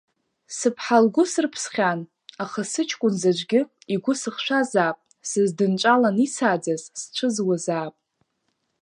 Сыԥҳа лгәы сырԥсхьан, аха сыҷкәын заҵәгьы игәы сыхшәазаап, сыздынҵәалан исааӡаз сцәыӡуазаап…